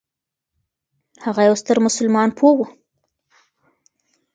هغه یو ستر مسلمان پوه و.